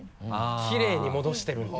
きれいに戻してるんで。